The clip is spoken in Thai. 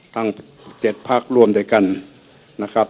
ตั้ง๗พักรวมด้วยกันนะครับ